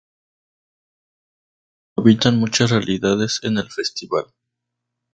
Cohabitan muchas realidades en el festival.